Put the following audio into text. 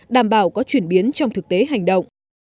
đảm bảo có chuyển biến trong thực tế hành động